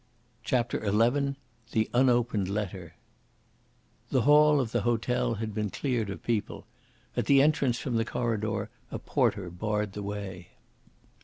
CHAPTER XI THE UNOPENED LETTER The hall of the hotel had been cleared of people. At the entrance from the corridor a porter barred the way.